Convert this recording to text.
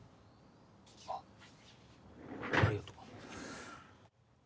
あっありがとう。